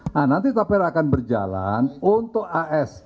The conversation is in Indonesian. nah nanti tapera akan berjalan untuk asn